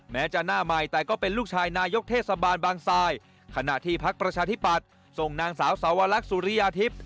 แม้จะหน้าใหม่แต่ก็เป็นลูกชายนายกเทศบาลบางทรายขณะที่พักประชาธิปัตย์ส่งนางสาวสาวลักษุริยาทิพย์